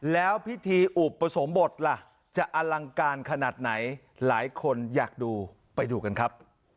แล้วพิธีอุปสมบทล่ะจะอลังการขนาดไหนหลายคนอยากดูไปดูกันครับ